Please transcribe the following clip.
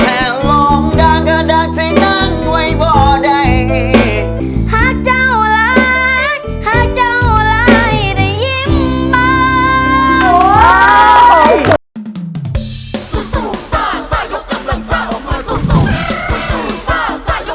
หักเจ้ารักหักเจ้าไรได้ยิ้มเปล่า